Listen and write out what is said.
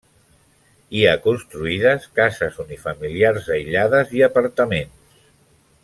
Hi ha construïdes cases unifamiliars aïllades i apartaments.